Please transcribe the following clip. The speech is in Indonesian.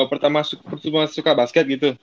pertama suka basket gitu